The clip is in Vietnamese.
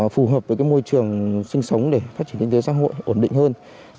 phù hợp với môi trường sinh sống để phát triển kinh tế xã hội ổn định hơn